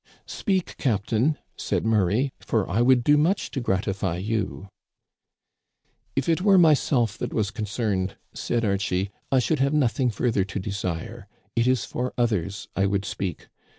"* Speak, captain,' said Murray, *for I would do much to gratify you.' "* If it were myself that was concerned,' said Archie, *I should have nothing further to desire. It is for others I would speak.